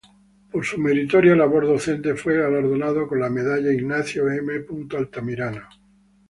Por su meritoria labor docente fue galardonado con la medalla Ignacio M. Altamirano.